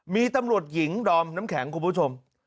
มีตำรวจหญิงดอมน้ำแข็งคุณผู้ชม